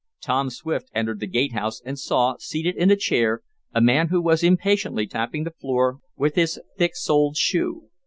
Tom Swift entered the gate house and saw, seated in a chair, a man who was impatiently tapping the floor with his thick soled shoe.